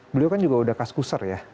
beliau kan juga udah kaskuser ya